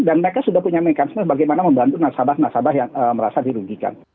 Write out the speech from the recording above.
dan mereka sudah punya mekanisme bagaimana membantu nasabah nasabah yang merasa dirugikan